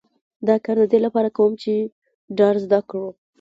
دا کار د دې لپاره کوم چې ډار زده کړم